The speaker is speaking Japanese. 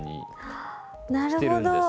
あなるほど。